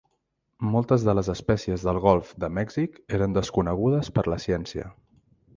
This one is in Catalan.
Moltes de les espècies del Golf de Mèxic eren desconegudes per la ciència.